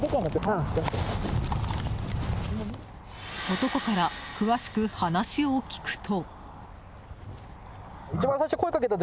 男から詳しく話を聞くと。